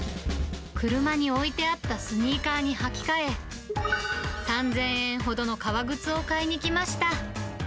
車に置いてあったスニーカーに履き替え、３０００円ほどの革靴を買いに来ました。